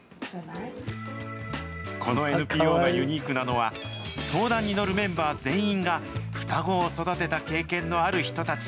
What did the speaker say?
このＮＰＯがユニークなのは、相談に乗るメンバー全員が、双子を育てた経験のある人たち。